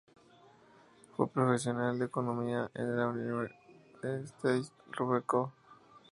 Fue profesional de Economía de la "United States Rubber Co.